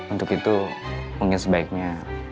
untuk itu mungkin sebaiknya